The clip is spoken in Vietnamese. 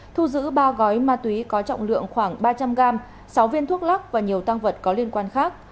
thu giữ ba gói ma túy có trọng lượng khoảng ba trăm linh gram sáu viên thuốc lắc và nhiều tăng vật có liên quan khác